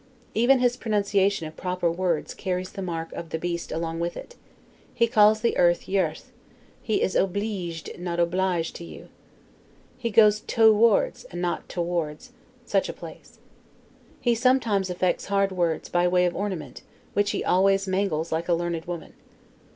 Even his pronunciation of proper words carries the mark of the beast along with it. He calls the earth YEARTH; he is OBLEIGED, not OBLIGED to you. He goes TO WARDS, and not TOWARDS, such a place. He sometimes affects hard words, by way of ornament, which he always mangles like a learned woman.